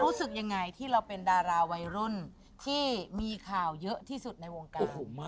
รู้สึกยังไงที่เราเป็นดาราวัยรุ่นที่มีข่าวเยอะที่สุดในวงการ